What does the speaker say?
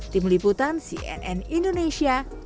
tim liputan cnn indonesia